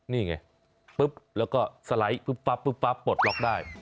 นี่ไงปุ๊บแล้วก็สไลด์ปุ๊บปุ๊บปลดล็อกได้